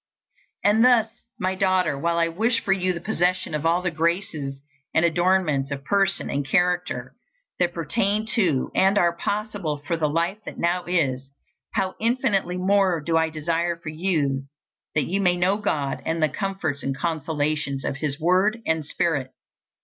And thus, my daughter, while I wish for you the possession of all the graces and adornments of person and character that pertain to and are possible for the life that now is, how infinitely more do I desire for you that you may know God and the comforts and consolations of His word and spirit.